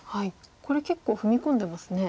これ結構踏み込んでますね。